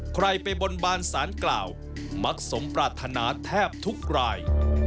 ใครไปบนบานสารกล่าวมักสมปรารถนาแทบทุกราย